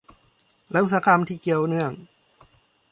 และอุตสาหกรรมที่เกี่ยวเนื่อง